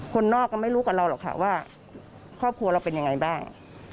คนนอกก็ไม่รู้กับเราหรอกค่ะว่าครอบครัวเราเป็นยังไงบ้าง